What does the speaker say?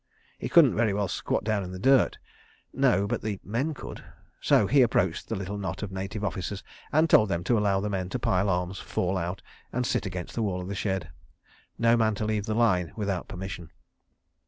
He couldn't very well squat down in the dirt. ... No—but the men could—so he approached the little knot of Native Officers and told them to allow the men to pile arms, fall out, and sit against the wall of the shed—no man to leave the line without permission.